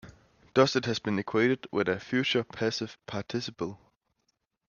Thus it has been equated with a future passive participle.